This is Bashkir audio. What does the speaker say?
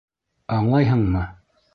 Аңлайһыңмы?